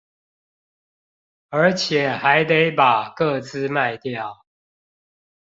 而且還得把個資賣掉